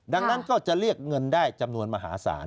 ดังนั้นก็จะเรียกเงินได้จำนวนมหาศาล